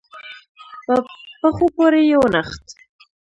په پښو پورې يې ونښت.